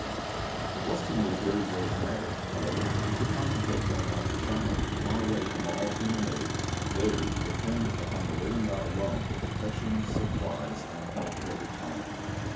It was to me a very grave matter, however, to contemplate going out to China, far away from all human aid, there to depend upon the living GOD alone for protection, supplies, and help of every kind.